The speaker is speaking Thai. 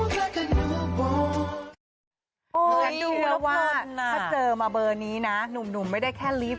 ฉันดูแล้วว่าถ้าเจอมาเบอร์นี้นะหนุ่มไม่ได้แค่ลิฟต